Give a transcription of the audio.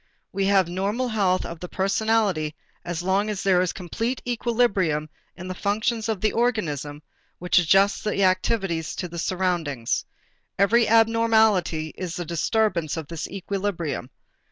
We have normal health of the personality as long as there is a complete equilibrium in the functions of the organism which adjusts the activities to the surroundings. Every abnormality is a disturbance of this equilibrium.